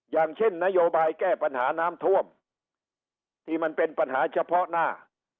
อย่างเช่นนโยบายแก้ปัญหาน้ำท่วมที่มันเป็นปัญหาเฉพาะหน้า